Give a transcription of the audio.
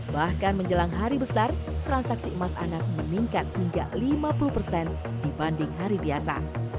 bahkan menjelang hari besar transaksi emas anak meningkat hingga lima puluh persen dibanding hari biasa